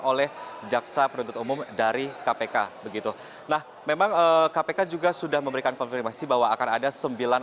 oleh jaksa penuntut umum dari kpk begitu nah memang kpk juga sudah memberikan konfirmasi bahwa akan ada sembilan